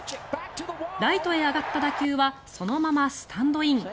ライトへ上がった打球はそのままスタンドイン。